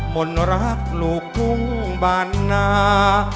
คนรักลูกทุ่งบานนา